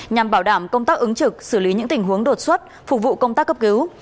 nhằm bảo đảm công tác ứng trực xử lý những tình huống đột xuất phục vụ công tác cấp cứu